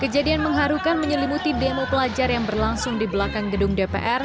kejadian mengharukan menyelimuti demo pelajar yang berlangsung di belakang gedung dpr